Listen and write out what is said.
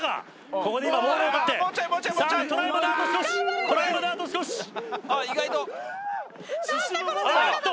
ここで今ボールを奪ってさあトライまであと少しトライまであと少しあ意外と進むもんだねあっと